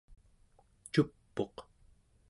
cup'uq